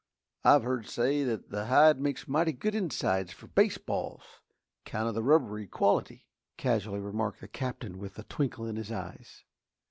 "I've hearn say that th' hide makes mighty good insides for baseballs, 'count of the rubbery quality," casually remarked the Captain, with a twinkle in his eyes.